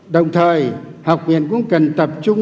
đồng thời học viện cũng cần tập trung